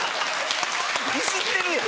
いじってるやん。